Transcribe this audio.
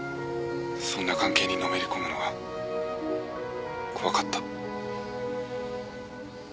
そんな関係にのめりこむのが怖かった。